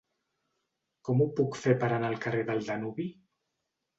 Com ho puc fer per anar al carrer del Danubi?